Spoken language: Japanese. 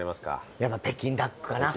やっぱ北京ダックかな。